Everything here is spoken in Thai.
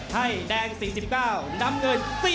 ให้แดง๔๙น้ำเงิน